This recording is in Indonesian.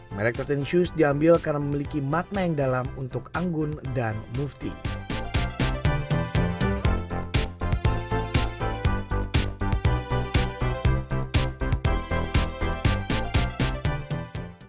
merek tiga belas shoes diambil karena memiliki makna yang dalam untuk anggun dan move team